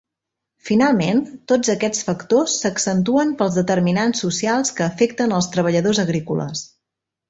Finalment, tots aquests factors s'accentuen pels determinants socials que afecten els treballadors agrícoles.